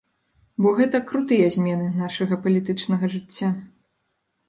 Бо гэта крутыя змены нашага палітычнага жыцця.